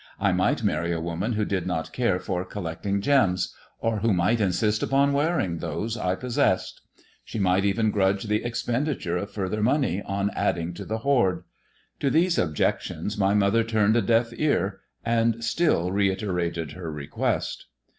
I might marry a woman who did not care for collecting gema, or who might insist upon wearing those I possessed. She might even grudge the expenditure of further money in MY COUSIN FROM FRANCE 367 idding to the hoard. To these objections my mother turned % deaf ear, and still reiterated her request.